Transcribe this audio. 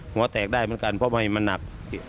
หัวแตกได้เหมือนกันเพราะไม่มันหนัก